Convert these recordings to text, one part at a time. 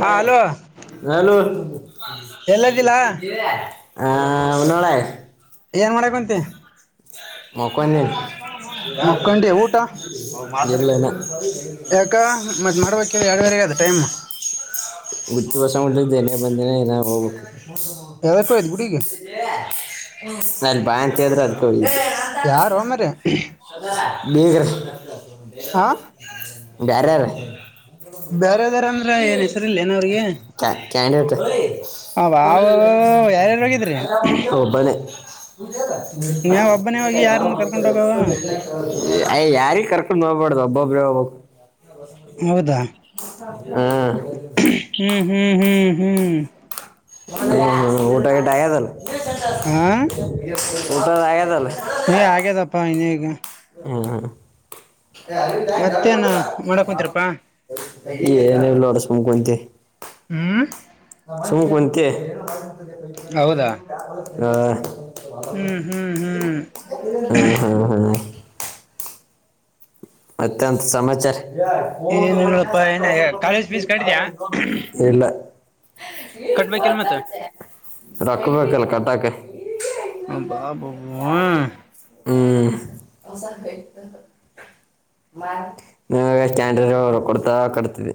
ಹಾ hello hello ಎಲ್ಲದಿಲ್ಲ [inaudible] ಆ ಒನ್ನಳೆ ಏನ್ ಮಾಡಕಂತಿ [inaudible] ಮಕ್ಕೊಂದೇನು ಮಕಂಡಿ ಊಟ ಅವ್ ಇಲ್ಲ ಮಾತಡಕತ್ ಇನ್ನ ಯಾಕ ಮತ್ ಮಾಡ್ಬೇಕಿಲ್ಲೊ ಯಾರದ್ರುಗೆ ಟೈಮ್ ಉಪ್ವಾಸ ಉಂಡಿದ್ದ್ ನೆನ್ನೇ ಇವಾಗ ಹೋಗ್ಬೇಕು ಯಾವದಕ್ಕೂ ಇದ್ ಗುಡಿಗೆ ನನ್ ಬ್ಯಾ ಅಂತಿದ್ರೆ ಅದಕ್ಕೊ ಯಾರೊ ಮಾರಯ್ಯ ಬೀಗ್ರು ಬಾರೆರ್ ಬೇರೆದ್ದರಂದ್ರೆ ಏನ್ ಹೆಸರಿ ಇಲ್ಲ ಏನು ಕ್ಯ ಕೆಣೆತ್ ಅವ ಯಾರ್ಯಾರು ಹೋಗಿದ್ರಿ ಒಬ್ಬನೆ ನೀವ ಒಬ್ಬನೇ ಹೋಗಿ ಯಾರನ್ನ ಕರ್ಕೊಂಡ್ ಹೋಗವ ಅಯ್ ಯಾರಿಗೆ ಕರ್ಕೊಂಡು ಹೋಗ್ಬಾರಡ್ದು ಒಬ್ಬ [inaudible] ಹೌದಾ ಹಾ ಹ್ಮ್ ಹ್ಮ್ ಹ್ಮ್ ಹ್ಮೂ ಹ್ಮೂಊಟಾಗಿಟ ಅಯಿದಿಲ್ಲ್ ಹಾ ಊಟ ಆಯದಲ್ ಯ್ ಹಾಗ್ಯದಪ್ಪಾ ಹಂಗೆಹೀಗೆ ಹ್ಮು ಮತ್ತೇನ ಮಾಡಕ್ ಕುಂತಿರಪ್ಪಾ [inaudible] ಏನೊನಡ್ಸುಕುಂತಿ ಹ್ಮ್ ಸುಮ್ ಕುಂತಿ ಹೌದಾ ಹಾ ಹ್ಮ್ ಹ್ಮ್ ಹ್ಮ್ ಹು ಹು ಹಾ ಮತ್ಯಂತ್ ಸಮಚಾರ ಏನಿಲ್ಲಪ್ಪಾ ಏನ ಕಾಲೇಜ್ ಫೀಸ್ ಕಟ್ಟಿದ್ಯಾ [inaudible] ಇಲ್ಲ [inaudible] ಕಟ್ಬೇಕಿಲ್ ಮತ್ತ ರೊಕ್ಕ ಬೇಕಲ್ಲ ಕಟ್ಟಕ್ಕೆ ಅಬಾಬಬ್ಹು್ ಹ್ಮು ಮ ನಿಮ್ಮವೆಸ್ಟ್ಯಾಂಡರು ಕೊಡ್ತಾ ಕಟ್ತಿದೆ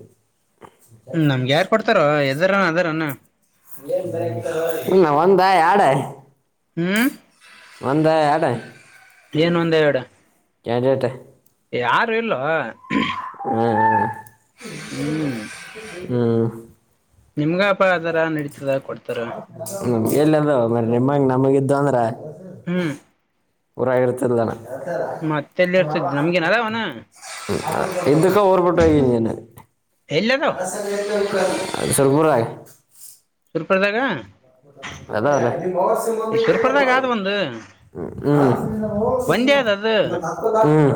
ನಮ್ಗ್ಯಾರ್ ಕೊಡ್ತಾರೊ ಎದುರನ ಅದಾರನ [inaudible] ನಿಅವ್ನಬಾಯ್ ಆಡೆ ಹ್ಮ್ ಒಂದಾ ಎರ್ಡ ಏನ್ ಒಂದ ಎರ್ಡ ಕೆಬೇಕ ಯಾರು ಇಲ್ಲೊ ಹೊ ಹ್ಮ್ ಹ್ಮು ನಿಮ್ಗಪ ಅದರ ನಡೀತದ ಕೊಡ್ತಾರ ಹ್ಮು ಎಲ್ಲಂದ್ರೆಹೌದು ನಿಮ್ಮಂಗ್ ನಮಗಿದ್ದು ಅಂದ್ರೆ ಹ್ಮ್ ಊರಗರ್ತದಾನ ಮತ್ತೆಲ್ಲಿ ಇರ್ತದ್ ನಮ್ಗೇನ್ ಅದಾವನ ಎಕ್ಕ ಊರ್ಪಟ್ಟ ಹಗನಿನ್ ಎಲ್ಲಿ ಅದಾವ ತರ್ಮುರೈ ಸುರ್ಪದಾಗ ಅ ಬಸ ಬಂದ ಸುರ್ಪುರದಾಗ ಆದ ಒಂದು ಒಂದೇ ್ಮ ಅದ ಅದು ಹ್ಮ್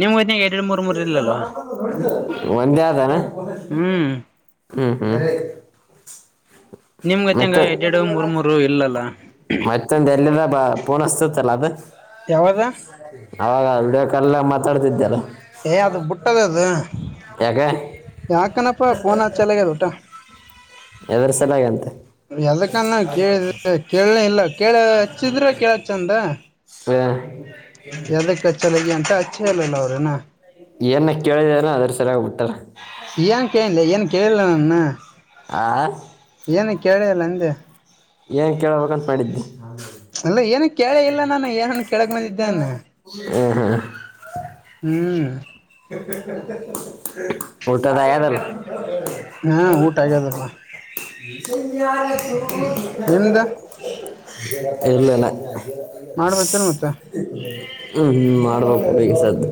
ನಿಮ್ ಗತ್ನಾಗ ಎರಡ್ ಮೂರ್ ಮೂರ್ ಇಲ್ಲಲ್ಲ ಹ್ಮ್ ಒಂದೇ ಆದಾನ ಹ್ಮ್ ಹ್ಮ್ ಹ್ಮ್ ನಿಮಗತ್ತಂಗ ಎಡ್ರಡು ಮೂರ್ ಮೂರು ಇಲ್ಲಲ್ಲ ಮತ್ತೊಂದು ಎಲ್ಲಿದ ಬ ಪೂನಸ್ತತ್ಲ್ಲ ಅದು ಯಾವದ ಅವಾಗ ಇಡಕಲ್ಲ ಮಾತಾಡ್ತಿದ್ದಲ್ಲ ಏ ಅದು ಬಿುಟ್ಟದ ಅದು ಯಾಕೆ ಯಾಕನಪ್ಪ ಫೋನ್ ಹ ಚಲಗ್ಯದ ಊಟಾ ಎಾವಾರ ಸಲಾಗಂತೆ ಎದಕ್ಕಾನ ಕೇಳ ಕೇಳನೆ ಇಲ್ಲ ಕೇಳ ಹಚ್ಚಿದ್ರ ಕೇಳ ಚಂದ ಸ ಎದಕ್ಕೆ ಹಚ್ಚಲಾಗಿ ಅಂತ ಹಚ್ಚೇ ಇಲ್ಲಲ್ಲ ಅವ್ರೇನ ಏನ ಕೇಳಿದ ಅದ್ರ ಸರಿಯಾಗಿಬಟ್ಟಾರೆ ಏನ್ ಕೇಳಿಲ್ಲ ಏನ್ ಕೇಳಿಲ್ಲ ನನ್ನ ಆ ಏನ ಕೇಳಿಲ್ಲ ಅಂದೆ ಏನ್ ಕೇಳಬೇಕಾಗಂತ ಮಾಡಿದ್ದಿ ಅಲ್ಲ ಏನು ಕೇಳ ಇಲ್ಲ ನಾನು ಏನನ್ ಕೇಳಕ್ ಬಂದಿದ್ದೇಾನ ಆ ಹಾ ಕೇ [unintelligible] ಊಟ ಸ ಆ ಹಾ ಊಟ ಆಗ್ಯದಪ್ಪ ತಲ್ಲ ಯ ನಿಮ್ದ ಎಏರನ್ನ ಮಾಡ್ಬೇಕ್ರ ಮತ್ತೆ ೂ ಮಾಡ್ಬೇಕು ಈಗೆ ಸತ್ತು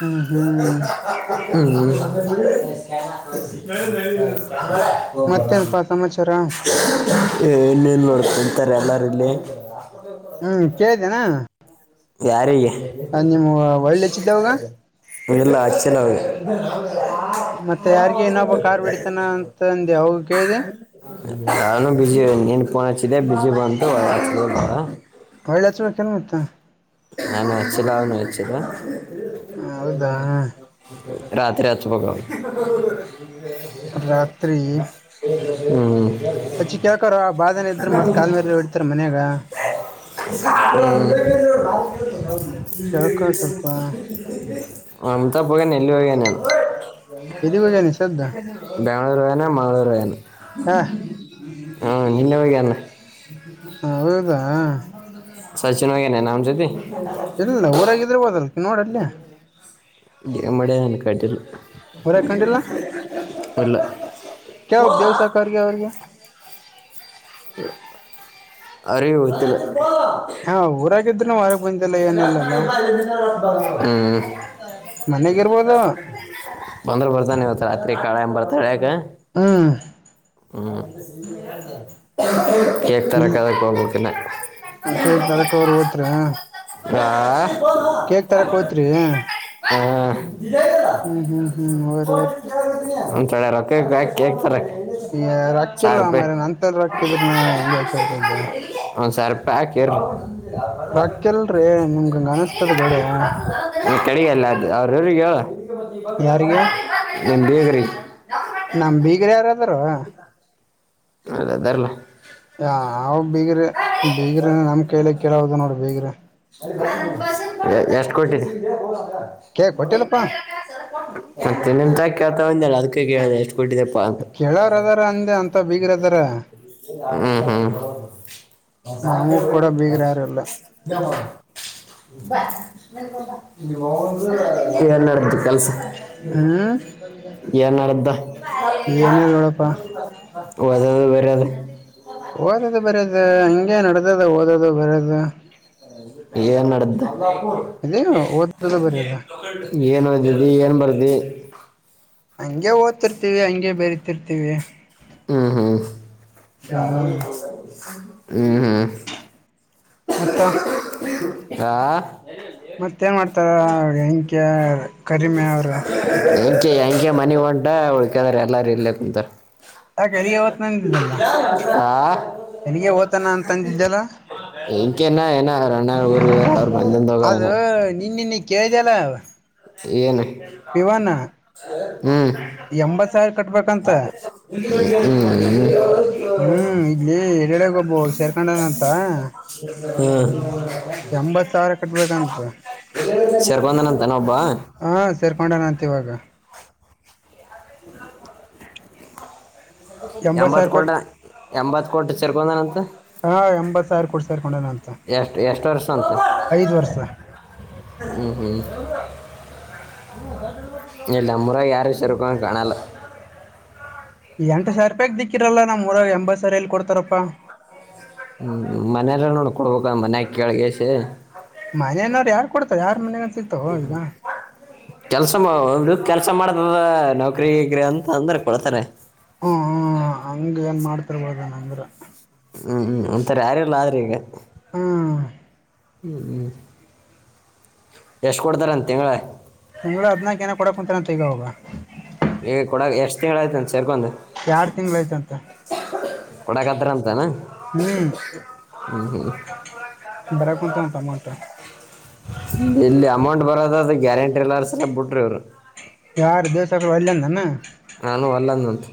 ಹ್ಮ ಹ್ಮ್ ಹ್ಮಞ ಮತ್ತೇನಪ್ಪಾ ಸಮಾಚಾರ ಏ ಇನ್ನೇನ್ ನೋಡ್ಕಂತಾರೆ ಎಲ್ಲ ಎಲ್ಲಲೆ ಹ್ಮ್ ಕೇಳಿದ್ದೇನಾ ಯಾರಿಗೆ ಹ ನಿಮ್ ಒಳ್ಳ ಹೆಚ್ಚಿದ್ದಾವಾಗ ಲ್ಲ ಆ ಚೆ ನಾವ ಮತ್ತೆ ಯಾರ್ಗ ಏನೊಬ್ಬ ಕಾರ್ ಬಿಡ್ತಾನ ಅಂತಂದು ಅವ ಕೇಳ್ದಿ ನಾನು ಬಿಜಿ ನೀನ್ ಫೋನ್ ಹಚ್ಚಿದ್ದೆ ಬಿಜಿ ಬಟು ನ ಮತ್ತಾ ನಾನು ಹೆಚ್ಚಿಲ್ಲ ಅವನು ಇಚ್ಚರ ಹೌದಾ ರಾತ್ರಿ ಆತ್ಪೋಗವು ರಾತ್ರಿ ಅಚ್ಚಿ ಕೇಳ್ಕರ ಆ ಬಾದನ ಇದ್ರ ಮತ್ತ್ ಕಾಾಲ ಮರಿ ಇಡ್ತಾರ ಮನ್ಯಾಗ ಹ್ಮ್ ಕೇಳ್ಕೊ ಸ್ವಲ್ಪ ಆ ೋಗ ನೆಲ್ಲ ನ್ ಎಲ್ಲಿಗ್ ಹೋಗ್ಯಾನ ಈ ಸದ್ದ [unintelligible] ನಳೂರು ವನ ಮಳೂರುಾನ ಹಾ ಹ ನಿನ್ನೆ ಬಗಣ ಹ ಹೌದಾ ಸಚಿನ್ ಹೋಗೇನೆ ನಮ್ ಜತೆ ಇಲ್ಲ ಊರಾಗಿದ್ರೆ ಹೋದಲ್ಕ ನೋಡಲ್ಲಿ ನಮ್ಮಡ ಹಾಲೆಕ್ಕಾಟ್ಟಲ್ ಊರಾಗ ಕಂಡಿಲ್ಲ ಇಡ್ಲ್ಲ ಕೇಳ್ಬೇಕ್ ದೇವ್ ಸಾಕವ್ರಿಗೆ ಅವ್ರಿಗೆ ಅರಿವುತ್ತ ಹಾ ಊರಾಗಿದ್ರರು ಮ ಅಲ್ಲ ಬ ಅ ಮನೆಗಿರ್ಬೋದು ಬಂದ್ರ ಬರ್ತಾನೆ ಇವತ್ ರಾತ್ರಿ ಕಾಳೆ ಎ ಬರ್ತಾಳಕ ಹಾ ಹ್ಮ್ ಕೇಕ್ ತರಕ್ಕೆದಕ್ಕೆ ಹೋಗಬೇಕತಿನ ಹ ಕೇಳ್ತಾರಕ್ ಅವ್ರರು ಓದತ್ರರಿ ಹಾ ಕೇಕ್ ತರ ಕೋತ್ರಿ ಹ್ಮ್ ಹೋರಿ ಹೋರಿ ಹತನ [unintelligible] ಚಕ ಕಕ್ ತರ [unintelligible] ಈ ರೊಕ್ಕಿಲ್ಲ ಮ್ರ ನಂತ ರೊಕ್ಕಿದ್ರನ ಹೆಂಗ ಹಕರ್ತಿದ್ದ ಹ ಸರ್ಪ್ಯಾಕರಿ [unintelligible] ರಕ್ಕಲ್ರಿ [unintelligible] ಈ ಕಡೆಗೆಲ್ಲ ಅದು ಅವ್ರ್ರರಿಗೆ ಹಾಗ ನಂಬೇಗ್ರಿ ನಮ ಬೀಗರ್ ಯಾರಾದಾರೂ ಅದ ಅದಾರಲ್ಲ ಯ ನಾವ ಬೀಗ್ರಿ ಬೀಗ್ರ ನಮ್ ಕೈಲೆ ಕೇಳೋುದು ನೋಡ ಬೀಗ್ರಿ ಎಷ್ಟು ಕೊಟ್ಟಿದೆ ಕೇ ಕೊಟ್ಟಿಲ್ಲಪ್ಪಾ ಮತ್ತೆ ನಿಮತ್ ಹಾಕ ಆತ ಒಂದಲ್ಲ ಅದಕ್ಕೆ ಕೇಳ ಎಷ್ಟು ಕೊಟ್ಟಿದೆಪ್ಪ ಅಂತ ಕೆೇಳವ್ರ ಅದಾರ ಅಂದೆ ಅಂತ ಬೀಗರ್ ಅದಾರ ಹ್ಮ್ ಹ್ಮ್ ಸ ನಾವು ಕೂಡ ಬೀಗ್ರ ಯಾರಿಲ್ಲ ಮಾಡ ನ್ಡ್ತು ಕೆಲ್ಸ ಹ್ಮ್ ಏನ್ಡ್ದ [unintelligible] ಏನಿಲ್ಲ ನೋಡಪ್ಪಾ ಅ ಬೇರ ಅದು ಓದದು ಬರದು್ ಹಂಗೆ ನಡ್ದದ ಓದದು ಬರದು ಏನ್ ನಡ್ದ ಇದೇ ಓದದು ಬರದು ಏನು ಹೊಂದಿ ಏನ್ ಬರ್ದಿ ಹಂಗೆ ಓದ್ತಿರ್ತಿವಿ ಹಂಗಗೆ ಬೆರತಿರ್ತಿವಿ ಹ್ಮ್ ಹ್ಮ್ ಹ್ಮ್ ಹ್ಮ್ ಮತ್ತು ಅಹಾ ಮಾಡ್ತಾರ ಹೆಂಕ್ಯ ಕರಿಮೆ ಅವರು ಏನ್ ಹಂಗೆ ಮನಿಗಿ ಹೊಂಟ ಉಳ್ಕ್ಯದ್ರಎಲ್ಲಾರು ಇಲ್ಲೆ ಕುಂತಾರ ಯಾಕೆ ಎಲ್ಲಿಗೆ ಇಲ್ಲಾದಲಾ ಓದ್ತಾನ ಅಂದಿದ್ದಲ್ಲ ಹಾ ಎಲ್ಲಿಗೆ ಓದ್ತಾನ ಅಂತಂದಿದ್ದಲ್ಲ ಇಂಕೆನ್ನ ಏನ ಅವರ ಅನ್ನರ ಇವ ಅವರ ಬಂದಿಂದ ಹೋಗವ ಇನ ಕಿಳಿದಲಾ ಏನು ಹ್ಮ್ ಎಂಬತ್ ಸಾವಿರ ಹು ಕಟ್ಬೇಕಂತ ಹೂ ಹ್ಮ್ ಹ್ಮ್ ಇಲ್ಲಿ ಯಡಹಳ್ಳಿ ನಗ ಒಬ್ಬ ಸೇರ್ಕೊಂಡನಂತ ಹ ಎಂಬತ್ತ ಸಾವಿರ ಕಟ್ಬೇಕಂತ ಸರ್ ಬಂದಾನಾಂತ ಒಬ್ಬ ಮತ್ತ ಈವಾಗ [unintelligible] ಎಂಬತ್ ಸಾವಿರ ರೂಪಾಯಿ ಕೊಂಡ ಎಂಬತ್ತ ಕೊಂಡು ಸೇರ್ಕೊಂಡನಂತ ಹಾ ಎಂಬತ್ ಸಾವಿರ ಕೊಡ್ಸರ್ಕೊಂಡಣ ಅಂತ ಎಷ್ಟು ಎಷ್ಟು ಐದ ವರ್ಷ ಹ್ಮ್ ಹ್ಮ್ ಇಲ್ಲಿ ನಮ್ಮೂರಾಗ ಯಾರು ಸೇರಕೊಳಂಗ ಕಾಣಲ್ಲ ಪಕ್ ದಿಕ್ಕಿರಲ್ಲ ನಮ್ಮ್ ಊರಾಗ ಎಂಬತ್ತ ಸಾವಿರ ಎಲ್ಲಿ ಕೊಡ್ತಾರಪ್ಪಾ ಹ್ಮ್ ಮನೆಯಾರ ನೋಡ್ಕೊಡ್ಬೇಕ ಮನ್ಯಾಗ ಕೇಳಿಸಿ ಯಾರ ಮನ್ಯಾಯಾಗ ಕೆಲ್ಸ ಮಾಡ್ ಕೆಲ್ಸ ಮಾಡತದ ನೌಕರಿ ಗಿಕ್ರಿ ಅಂತ ಅಂದ್ರ ಕೊಡ್ತಾರೆ ಹ್ಮ ಹಂಗ ಏನ್ ಮಾಡ್ತಿರ್ಬೋದ ಅಂದ್ರ ಹ್ಮ್ ಹ್ಮ್ ಒಂತರ ಯಾರೆಲ್ಲ ಆದ್ರ ಈಗ ಹ್ಮ್ ಹ್ಮ್ ಹ್ಮ ಎಷ್ಟ್ ಕೊಡ್ತಾರಂತ ತಿಂಗಳ ತಿಂಗಳ ಹದ್ನಾಕ ಏನ ಕೊಡಕ್ ಕುಂತನಂತ ಈಗ ಅವರ್ಗ ಏ ಕೊಡಗ ಎಷ್ಟ ತಿಂಗಳು ಅಯ್ತಂತೆ ಎರಡು ತಿಂಗಳ ಆಯ್ತಂತೆ ಕೊಡಕತರಂತೆನು ಹೂ ಬರಕುಂತವಂತೆ ಅಮೌಂಟ್‌ ಎಲ್ಲಿ ಅಮೌಂಟ್ ಬರೋದಾದ್ರ ಗ್ಯಾರಂಟಿ ಎಲ್ಲಾರ ಸರಿ ಬಿಟ್ರಿ ಇವ್ರು ಯಾರು ದಿವಸಗಳು ವಲ್ಲಂದಾನನು ನಾನು ವಲ್ಲಹಂದೆ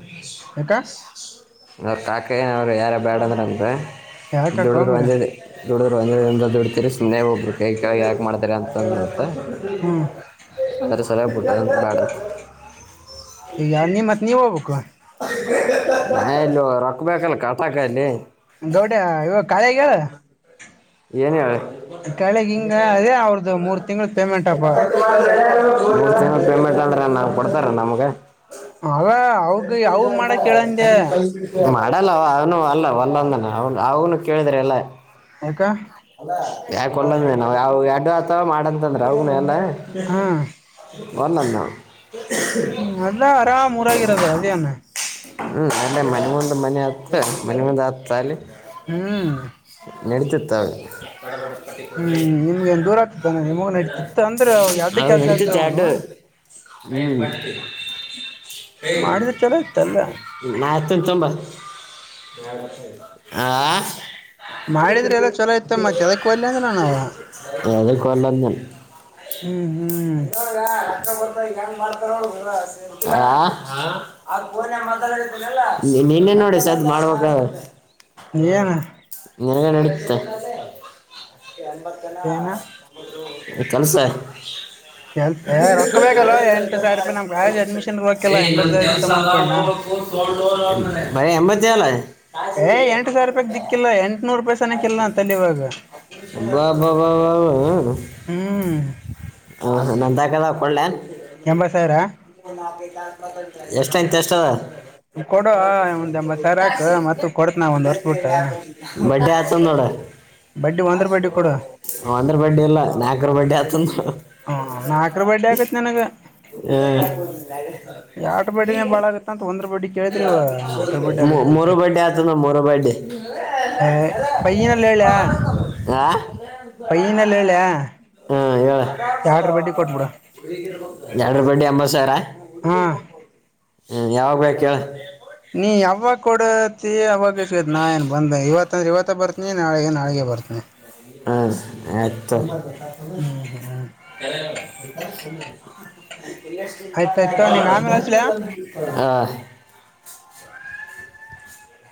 ಅವ್ರ ಕಾಕ ಏನೆರ ಅವ್ರು ಯಾರ ಬೇಡ ಅಂದ್ರ ನಮ ಯಾಕಕ್ಕ ದುಡಿದ್ರವಲ್ಲ ಮಾರಾಯ ದುಡಿದ್ರೆ ಒಂದೇ ದಿನ್ನದಾಗ ದುಡಿತಿರಿ ಸುಮ್ಮನೆ ಒಬ್ಬರು ಕೈ ಕೆಳಗ ಯಾಕೆ ಮಾಡತಿರ ಅಂತಂದ್ರತ್ತ ಹ್ಮ್ ಅದ್ರ ಸಲುವಾಗಿ ಬುಟ್ಟಾರಂತ ಬ್ಯಾಡರಿ ಮತ್ ನೀವ ಹೋಗ್ಬೇಕು ನಾನು ಎಲ್ಲಿ ರೊಕ್ಬೇಕಲ್ಲ ಕತಾಕಲ್ಲಿ ಗೌಡ್ಯ ಇವ ಖಾಲಿಯಾಗಳ್ ಏನ್ ಹೇಳಿ ಹಿಂಗ ಅದೇ ಅವ್ರದ್ದ ಮೂರ್ ತಿಂಗಳ ಪೇಮೆಂಟ್ ಅಪ್ಪ ಮೂರ್ ತಿಂಗಳು ಪೇಮೆಂಟ್ ಆದ್ರ ಕೊಡ್ತಾರ ನಮ್ಗ ಅವ ಅವಗ ಅವಗ ಮಾಡಕ್ ಹೇಳಂದೆ ಮತ್ ಅಡಲ್ಲ ಅವನು ಅಲ್ಲ ವಲ್ಲ ಅಂದನಲ್ಲ ಅವನು ಕೇಳಿದ್ರ ಎಲ್ಲ ಯಾಕ ಯಾಕ ವಲ್ಲ ಅಂದೇ ನೀನು ಯಾವ ಎಡ್ಡು ಆತ ಮಾಡಂತಂದ್ರ ಅವನು ಎಲ್ಲ ಹಾ ವಲ್ಲ ಅಂದ ಅವ ಹ್ಮ್ ಅಲ್ಲ ಹರಮ್ ಊರಾಗಿರೋದು ಅದೇನ ಹ್ಮ್ ಅಲ್ಲೇ ಮನೆ ಮುಂದ ಮನೆ ಹತ್ತು ಮನೆ ಮುಂದ ಹತ್ತಲ್ಲಿ ಹ್ಮ್ ನೆಡೀತಿತ್ತು ಆಗ ಹ್ಮ್ ನಿಮ್ಗೆ ಏನ್ ದೂರ ಆಗ್ತಿತ್ತಾನ ನಿಮಗ ನಡತಿತ್ತ ಅಂದ್ರೆ ಎರಡ್ಡು ಕೆಲ್ಸ ಆಯತವನು ಹ್ಮ್ ಮಾಡಿದ್ರ ಚಲೋ ಇತ್ತಲ್ಲ ನಾನ್ ಹಚ್ಚೋತೀನಿ ತಕೊಬಾ ಆ ಮಾಡಿದ್ರ ಎಲ್ಲ ಚಲೋ ಇತ್ತ ಮತ್ ಎದಕ್ ಹೋಗ್ಲಿ ಅಂದ್ರ ನಾವ ಯಾದಕ್ ವಲ್ಲ ಅಂದನು ಹ್ಮ್ ಹ್ಮ್ [unintelligible] ತ ಈ ಹೆಂಗ ಮಾಡ್ತಾರ ಪೋನ ಮಾನಲ್ಲ ನೀನ್ನೇ ನೋಡಿ ಸ ಅದ್ ಮಾಡ್ಬೇಕ ಏನು ನರಗ ನಡುತ್ತೆ ಏನ ಕೆಲಸ ಅ ಕೆಲ್ಸ ಏ ರೊಕ್ಕ ಬೇಕಲ್ಲ ಎಂಟು ಸಾವಿರ ರೂಪಾಯಿ ನಮ್ ಕಾಲೇಜ್ ಅಡ್ಮಿಷನ್ ರೊಕ್ಕಿಲ್ಲ ಇ ಎಂಬತ್ ನಂದು ಸಾವಿರ ಇಲ್ಲಿ ಕೆಲಸ ತಗೊಂಬಂದ್ಕೊಳ್ಳನಾ ಅ ಬಯ ಎಂಬತ್ತ ಏಳ ಏ ಎಂಟು ಸಾವಿರ ರೂಪಾಯಿ ದಿಕ್ಕಿಲ್ಲ ಎಂಟುನೂರು ರೂಪಾಯಿ ಸನಕಿಲ್ಲ ಅಂತಲ್ಲಿ ಇವಾಗ ವ ವಾ ವಾ ವ ಹ ಹಾ ನಂದಾಕಲ್ಲ ಒಕ್ಕಳ್ಳೆ ಎಂಬತ್ ಸಾವಿರ ಎಷ್ಟ ಎಂತ ಎಷ್ಟ ಕೊಡು ಒಂದ್ ಎಂಬತ್ ಸಾವಿರ ಹಾಕ ಮತ್ತ ಕೊಡತ್ ನಾವ ಒಂದ್ ವರ್ಷ ಬಿಟ್ಟ ಬಡಿ ಆತಂದೋಳ ಬಡ್ಡಿ ಒಂದ್ರ ಬಡ್ಡಿ ಕೊಡು ಒಂದ್ರ ಬಡ್ಡ ಎಲ್ಲ ನಾಲ್ಕರ ಬಡ್ಡೆ ಆತ ಹ ನಾಕ್ರ ಬರ್ಡೇ ಆಗತ್ ನನಗ ಹ್ಮ್. ಎರಡು ಬಡಿನೇ ಬಾಳ ಆಗುತ್ತ ಅಂತ ಒಂದ್ರ ಬಡಿಿಗೆ ಮೊರ ಬರ್ಡೆ ಆತ ನ ಮೊರ ಬರ್ಡೆ ಹ ಪೈ್ಯನಲ್ಲ ಇಳ ವಾಹ ಪೈ್ಯನಲ್ಲ ಹೇಳಿಯ ನಡರ ಬಂಡಿ ಅಂಬಸರಾ ಹಾ ಹ್ಮ್ ಯಾವ ಬ್ಯ ನೀ ಯಾವಾಗ ಕೊಡತಿ ಅವಾಗ ಸಿಗತ್ ನಾ ಏನ್ ಬಂದ ಇವತ್ತ ಅಂದ್ರೆ ಇವತ್ತ ಬರ್ ನ ನಾಳೆಗೆ ನಾಳೆಗೆ ಬರ್ತನಿ ಹ್ಮ್ ಹ್ಮ್ ಹ ಆಯ್ತಾಯ್ತು ನಿಂಗ ಎತ ಆಮೇಲೆ ಹಚ್ಲಾ ಹಾ